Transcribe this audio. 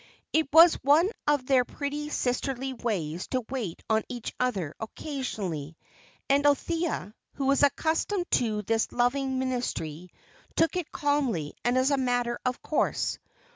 It was one of their pretty sisterly ways to wait on each other occasionally, and Althea, who was accustomed to this loving ministry, took it calmly and as a matter of course.